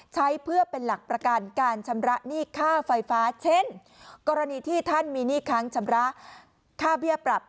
ใช้เพื่อเป็นหลักประกันการชำระหนี้ค่าไฟฟ้าเช่นกรณีที่ท่านมีหนี้ค้างชำระค่าเบี้ยปรับ